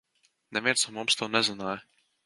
Neviens no mums to nezināja.